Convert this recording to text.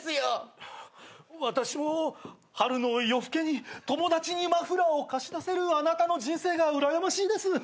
私も春の夜更けに友達にマフラーを貸し出せるあなたの人生がうらやましいです。